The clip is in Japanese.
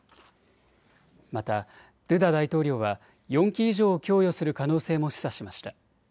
またドゥダ大統領は４機以上を供与する可能性も示唆しました。